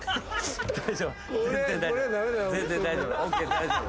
大丈夫。